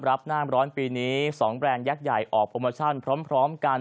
รับน้ำร้อนปีนี้๒แบรนด์ยักษ์ใหญ่ออกโปรโมชั่นพร้อมกัน